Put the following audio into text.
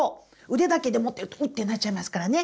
腕だけで持ってるとウッてなっちゃいますからね。